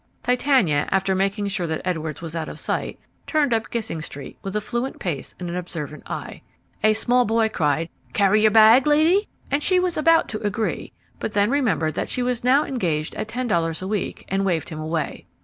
Titania, after making sure that Edwards was out of sight, turned up Gissing Street with a fluent pace and an observant eye. A small boy cried, "Carry your bag, lady?" and she was about to agree, but then remembered that she was now engaged at ten dollars a week and waved him away.